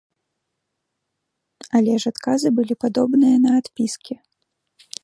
Але ж адказы былі падобныя на адпіскі.